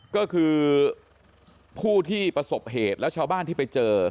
ก็คือผู้ที่ประสบเหตุแล้วชาวบ้านที่ไปเจอ